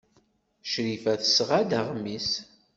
Crifa tesɣa-d aɣmis.